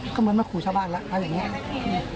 ก็เหมือนมาขู่ชาวบ้านแล้วอะไรอย่างนี้